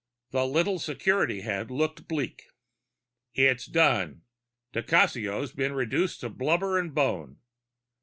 The little security head looked bleak. "It's done. Di Cassio's been reduced to blubber and bone.